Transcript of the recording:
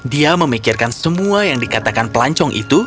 dia memikirkan semua yang dikatakan pelancong itu